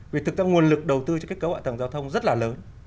vì thực ra nguồn lực đầu tư cho cái cấu hại tầng giao thông rất là lớn